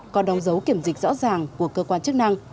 có đóng dấu kiểm dịch rõ ràng của cơ quan chức năng